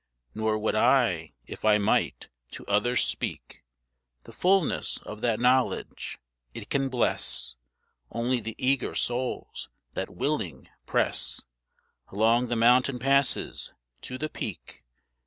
Nor would I, if I might, to others speak, The fullness of that knowledge. It can bless, Only the eager souls, that willing, press Along the mountain passes, to the peak.